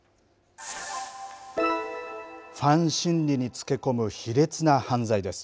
ファン心理につけ込む卑劣な犯罪です。